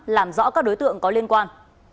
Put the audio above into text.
làm rõ các đối tượng có liên quan